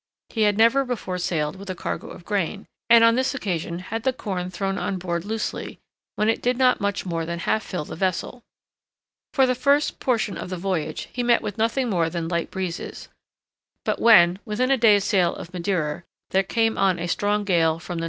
He had never before sailed with a cargo of grain, and on this occasion had the corn thrown on board loosely, when it did not much more than half fill the vessel. For the first portion of the voyage he met with nothing more than light breezes; but when within a day's sail of Madeira there came on a strong gale from the N.